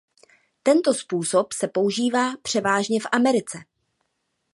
Tento způsob se používá převážně v Americe.